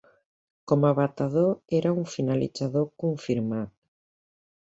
Com a batedor era un finalitzador confirmat.